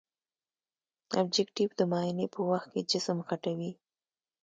ابجکتیف د معاینې په وخت کې جسم غټوي.